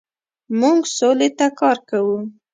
موږ سولې ته کار کوو.